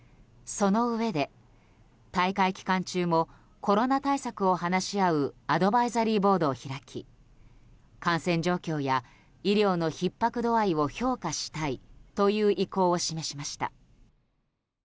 そのうえで、大会期間中もコロナ対策を話し合うアドバイザリーボードを開き感染状況や医療のひっ迫度合いを評価したいという意向を示しました。